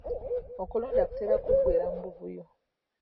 Okulonda kuteera kuggwera mu buvuyo.